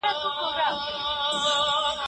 د یو ښه څېړونکي حافظه تر نورو خلګو پیاوړې وي.